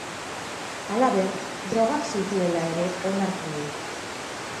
Halaber, drogak zituela ere onartu du.